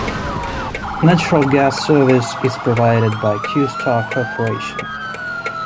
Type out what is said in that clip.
Natural gas service is provided by Questar Corporation.